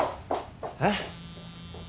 えっ？